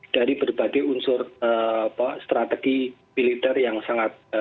dari berbagai unsur strategi militer yang sangat